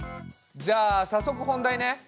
じゃあ早速本題ね。